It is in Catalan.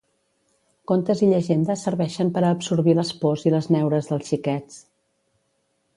Contes i llegendes serveixen per a absorbir les pors i les neures dels xiquets.